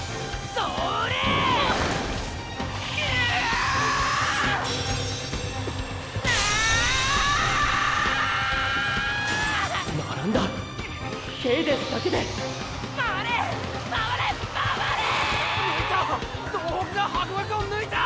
総北がハコガクを抜いた！